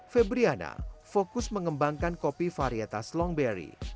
febriana fokus mengembangkan kopi varietas longberry